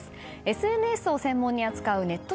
ＳＮＳを専門に扱うネット